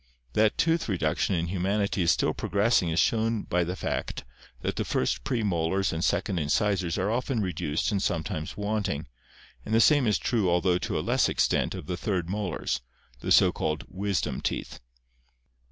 That tooth reduction in humanity is still progressing is shown by the fact that the first premolars and second incisors are often reduced and sometimes wanting, and the same is true although to a less extent of the third molars, the so called wisdom teeth.